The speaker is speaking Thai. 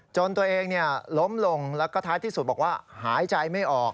จนตัวเองล้มลงแล้วก็ท้ายที่สุดบอกว่าหายใจไม่ออก